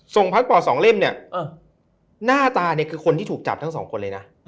พาร์ปอร์ตสองเล่มเนี่ยหน้าตาเนี่ยคือคนที่ถูกจับทั้งสองคนเลยนะ